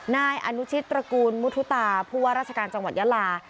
นายอนุชิตตระกูลมุทุตาผู้ว่าราชการจังหวัดยาลา